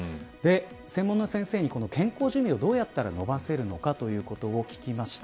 専門の先生に健康寿命をどうやったら延ばせるかを聞きました。